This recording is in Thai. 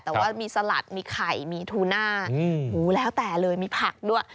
แต่ว่ามีสลัดมีไข่มีทูน่าแล้วแต่เลยมีผักด้วย